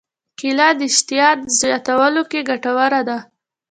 کېله د اشتها زیاتولو کې ګټوره ده.